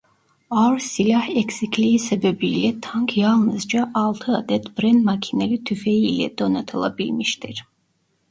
Ağır silah eksikliği sebebiyle tank yalnızca altı adet Bren makineli tüfeği ile donatılabilmiştir.